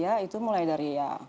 ya itu mulai dari ya